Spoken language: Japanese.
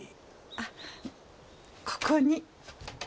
あここに。